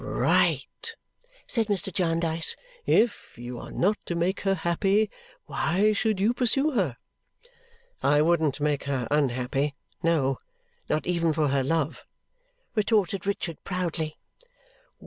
"Right!" said Mr. Jarndyce. "If you are not to make her happy, why should you pursue her?" "I wouldn't make her unhappy no, not even for her love," retorted Richard proudly.